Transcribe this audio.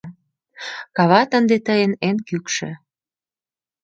Кават ынде тыйын эн кӱкшӧ.